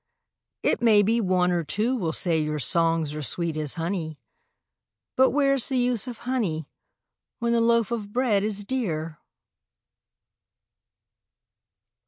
It may be one or two will say your songs are sweet as honey, But where's the use of honey, when the loaf of bread is dear?